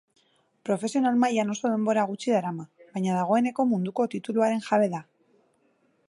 Profesional mailan oso denbora gutxi darama, baina dagoeneko munduko tituluaren jabe da.